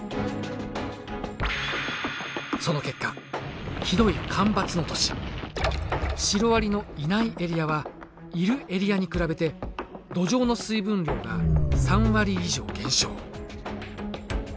その結果ひどい干ばつの年シロアリのいないエリアはいるエリアに比べて土壌の水分量が３割以上減少。